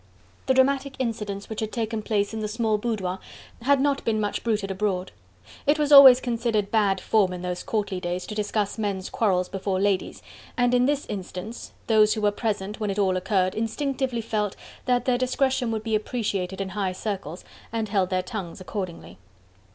The dramatic incidents which had taken place in the small boudoir had not been much bruited abroad. It was always considered bad form in those courtly days to discuss men's quarrels before ladies, and in this instance, those who were present when it all occurred instinctively felt that their discretion would be appreciated in high circles, and held their tongues accordingly.